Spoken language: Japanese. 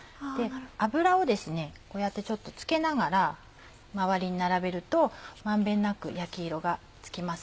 油をこうやってちょっとつけながら周りに並べると満遍なく焼き色がつきます。